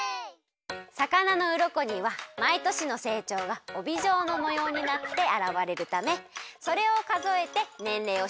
魚のうろこにはまいとしのせいちょうがおびじょうのもようになってあらわれるためそれをかぞえてねんれいをしらべることができるよ。